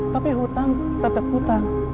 tapi hutang tetep hutang